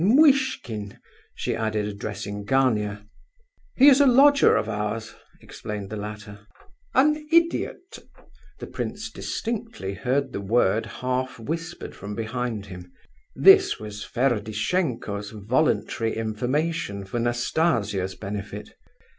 Muishkin?" she added, addressing Gania. "He is a lodger of ours," explained the latter. "An idiot!"—the prince distinctly heard the word half whispered from behind him. This was Ferdishenko's voluntary information for Nastasia's benefit.